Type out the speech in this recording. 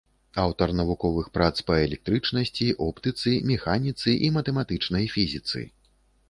Аўтар навуковых прац па электрычнасці, оптыцы, механіцы і матэматычнай фізіцы.